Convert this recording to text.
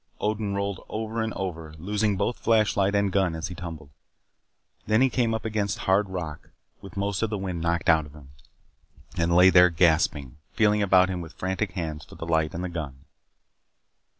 Odin rolled over and over, losing both flashlight and gun as he tumbled. Then he came up against hard rock, with most of the wind knocked out of him, and lay there gasping, feeling about him with frantic hands for the light and the gun.